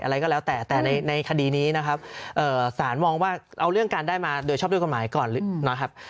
อะไรก็แล้วแต่แต่ในคดีนี้นะครับสารมองว่าเอาเรื่องการได้มาโดยชอบด้วยกฎหมายก่อนนะครับ